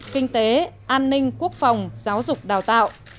kinh tế an ninh quốc phòng giáo dục đào tạo